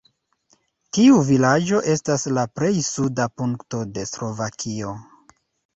Tiu vilaĝo estas la plej suda punkto de Slovakio.